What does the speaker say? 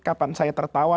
kapan saya tertawa